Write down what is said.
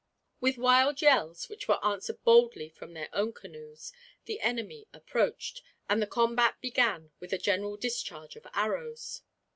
With wild yells, which were answered boldly from their own canoes, the enemy approached, and the combat began with a general discharge of arrows.